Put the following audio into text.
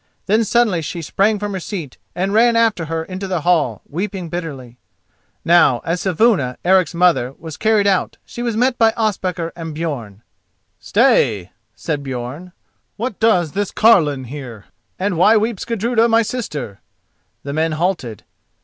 Then suddenly she sprang from her seat and ran after her into the hall, weeping bitterly. Now as Saevuna, Eric's mother, was carried out she was met by Ospakar and Björn. "Stay," said Björn. "What does this carline here?—and why weeps Gudruda, my sister?" The men halted.